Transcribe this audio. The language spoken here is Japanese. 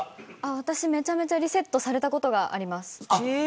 私、めちゃめちゃリセットされたことあります。